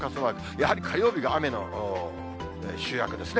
やはり火曜日が雨の週明けですね。